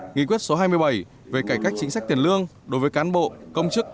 nghị quyết số hai mươi bảy về cải cách chính sách tiền lương đối với cán bộ công chức